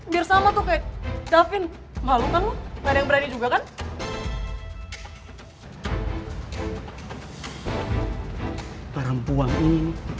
biar sama tuh kayak daffin